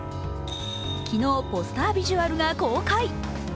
昨日、ポスタービジュアルが公開。